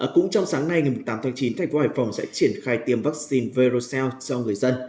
cũng trong sáng nay ngày tám chín tp hcm sẽ triển khai tiêm vaccine verocell cho người dân